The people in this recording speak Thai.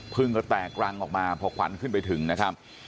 ก็แตกรังออกมาพอขวัญขึ้นไปถึงนะครับ